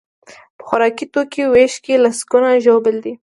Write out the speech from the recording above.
په خوراکي توکیو ویش کې لسکونه ژوبل دي.